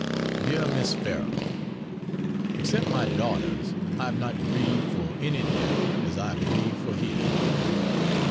DEAR MISS FARRELL, Except my daughter's, I have not grieved for any death as I have grieved for his.